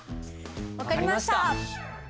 分かりました。